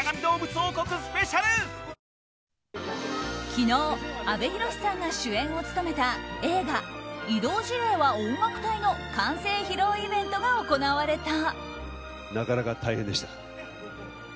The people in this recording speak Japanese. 昨日、阿部寛さんが主演を務めた映画「異動辞令は音楽隊！」の完成披露イベントが行われた。